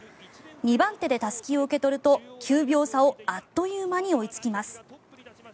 ２番手でたすきを受け取ると９秒差をあっという間に追いつきます。